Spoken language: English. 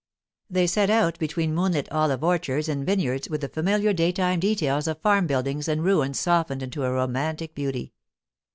They set out between moonlit olive orchards and vineyards with the familiar daytime details of farm buildings and ruins softened into a romantic beauty.